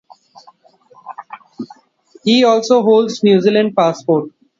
He also holds New Zealand passport.